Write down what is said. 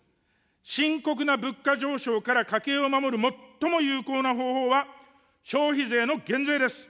深刻な物価上昇から家計を守る最も有効な方法は、消費税の減税です。